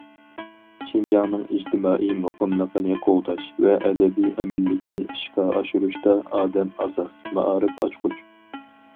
شىنجاڭنىڭ ئىجتىمائىي مۇقىملىقىنى قوغداش ۋە ئەبەدىي ئەمىنلىكىنى ئىشقا ئاشۇرۇشتا ئادەم ئاساس، مائارىپ ئاچقۇچ.